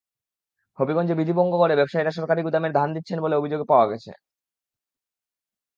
হবিগঞ্জে বিধি ভঙ্গ করে ব্যবসায়ীরা সরকারি গুদামে ধান দিচ্ছেন বলে অভিযোগ পাওয়া গেছে।